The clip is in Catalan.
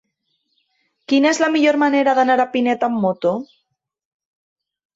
Quina és la millor manera d'anar a Pinet amb moto?